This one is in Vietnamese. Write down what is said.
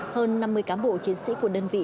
hơn năm mươi cán bộ chiến sĩ của đơn vị